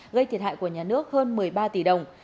gây thiệt hại của nhà nước hơn một mươi ba tỷ đồng